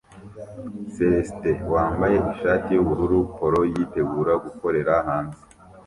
Cellist wambaye ishati yubururu polo yitegura gukorera hanze